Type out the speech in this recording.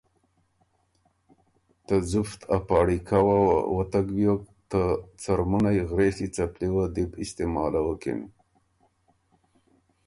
ته ځُفت ا پاړی کؤ وه وتک بیوک، ته څرمُنئ غرېݭی څپلی وه بُو استعمالوکِن